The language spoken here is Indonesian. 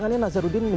pak nazar deh